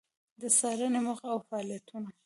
د څــارنـې موخـه او فعالیـتونـه: